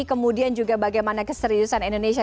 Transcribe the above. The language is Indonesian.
kemudian juga bagaimana keseriusan indonesia